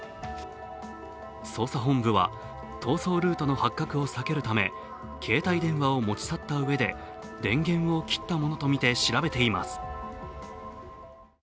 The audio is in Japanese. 捜査本部は逃走ルートの発覚を避けるため携帯電話を持ち去ったうえで電源を切ったものとみて調べています。